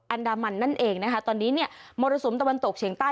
อันดามันนั่นเองนะคะตอนนี้เนี่ยมรสุมตะวันตกเฉียงใต้